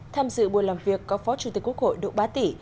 tham dự buổi làm việc có phó chủ tịch quốc hội độ bá tỉ